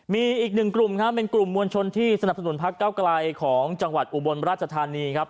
มีอีกหนึ่งกลุ่มครับเป็นกลุ่มมวลชนที่สนับสนุนพักเก้าไกลของจังหวัดอุบลราชธานีครับ